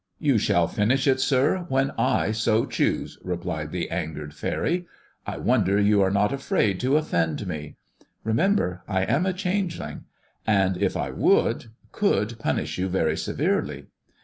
" You shall finish it, sir, when I so choose," replied the angered faery. "I wonder you are not afraid to offend me. Remember, I am a changeling, and if I would, could punish you very severely.